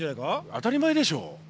当たり前でしょ。